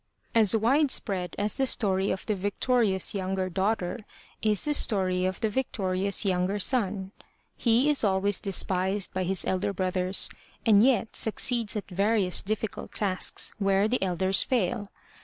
As wide spread as the story of the victorious yoimger daughter, is the story of the victorious younger son. He is always despised by his elder brothers, and yet succeeds at various difficult tasks where the elders fail.